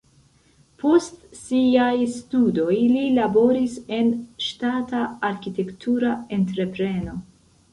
Post siaj studoj li laboris en ŝtata arkitektura entrepreno.